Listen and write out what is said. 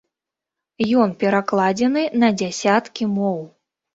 Ён перакладзены на дзясяткі моў.